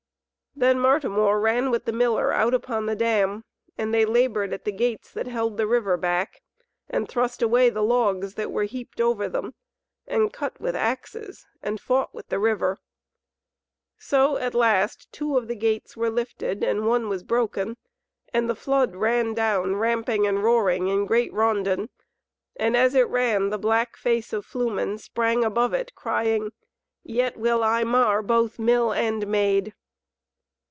Then Martimor ran with the miller out upon the dam, and they laboured at the gates that held the river back, and thrust away the logs that were heaped over them, and cut with axes, and fought with the river. So at last two of the gates were lifted and one was broken, and the flood ran down ramping and roaring in great raundon, and as it ran the black face of Flumen sprang above it, crying, "Yet will I mar both Mill and Maid."